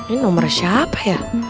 ini nomernya siapa ya